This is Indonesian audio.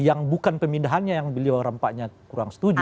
yang bukan pemindahannya yang beliau rempahnya kurang setuju